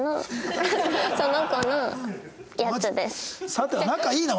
さては仲いいな？